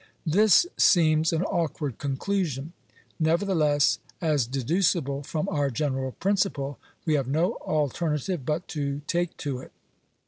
This seems an awkward conclusion; nevertheless, as dedu cible from our general principle, we have no alternative but to take to it.